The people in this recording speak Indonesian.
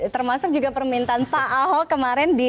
termasuk juga permintaan pak ahok kemarin di jawa